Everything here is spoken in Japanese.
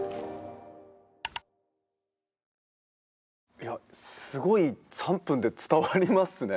いやすごい３分で伝わりますね。